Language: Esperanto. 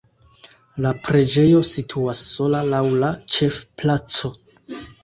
La preĝejo situas sola laŭ la ĉefplaco.